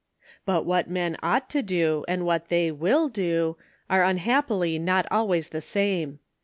But what men ought to do and what they will do, are unhappily not always the same.